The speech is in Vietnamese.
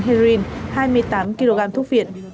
heroin hai mươi tám kg thuốc viện